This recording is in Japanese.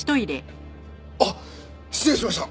あっ失礼しました！